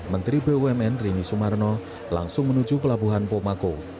menteri bumn rini sumarno langsung menuju pelabuhan pomako